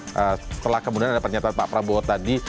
setelah kemudian ada pernyataan pak prabowo tadi